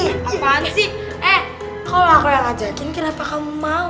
apaan sih eh kalau aku yang ngajakin kenapa kamu mau